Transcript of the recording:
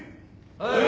はい。